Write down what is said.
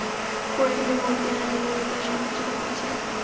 কুরাইশের বন্দী আর নিহতদের আলোচনা করছিলেন।